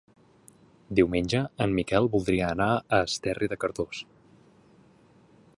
Diumenge en Miquel voldria anar a Esterri de Cardós.